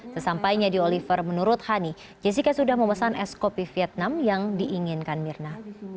sesampainya di oliver menurut hani jessica sudah memesan es kopi vietnam yang diinginkan mirna